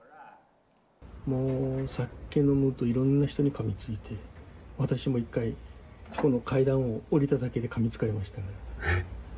もう酒飲むと、いろんな人にかみついて、私も一回、この階段を下りただけで、かみつかれましたから。